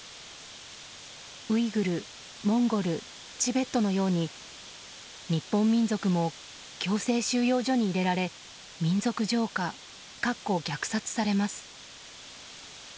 ウイグル、モンゴルチベットのように日本民族も強制収容所に入れられ民族浄化されます。